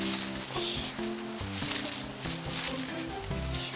よし。